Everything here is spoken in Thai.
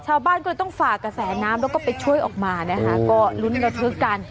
ชาวบ้านก็เลยต้องฝากกระแสน้ำแล้วก็ไปช่วยออกมานะคะก็ลุ้นระทึกกัน